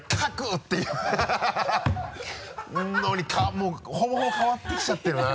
もうほぼほぼ変わって来ちゃってるな。